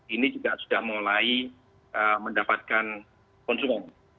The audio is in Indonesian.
ini juga sudah mulai mendapatkan konsumen